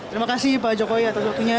terima kasih pak jokowi atas waktunya